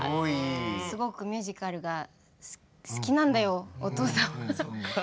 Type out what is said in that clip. すごくミュージカルが好きなんだよお父さんは。